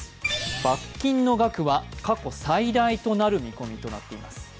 罰金の額は過去最大となる見込みとなっています。